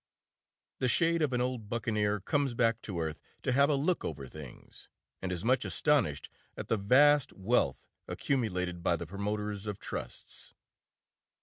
[The shade of an old buccaneer conies back to earth to have a look over things, and is much astonished at the vast wealth accumulated by the promoters of trusts.